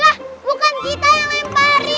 hah bukan kita yang ngekar in